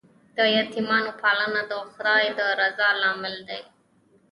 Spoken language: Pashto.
د یتیمانو پالنه د خدای د رضا لامل دی.